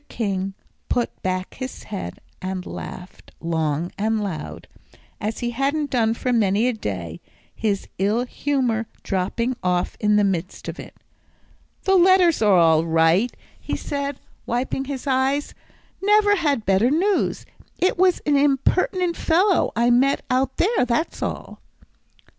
King put back his head and laughed long and loud, as he hadn't done for many a day, his ill humour dropping off in the midst of it. "The letters are all right," he said, wiping his eyes, "never had better news. It was an impertinent fellow I met out there, that's all."